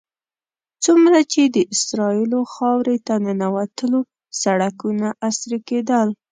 څومره چې د اسرائیلو خاورې ته ننوتلو سړکونه عصري کېدل.